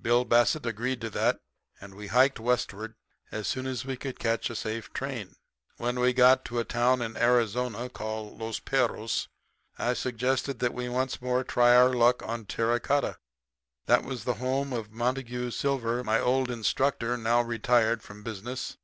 "Bill Bassett agreed to that, and we hiked westward as soon as we could catch a safe train. "When we got to a town in Arizona called Los Perros I suggested that we once more try our luck on terra cotta. That was the home of Montague Silver, my old instructor, now retired from business.